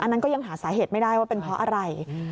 อันนั้นก็ยังหาสาเหตุไม่ได้ว่าเป็นเพราะอะไร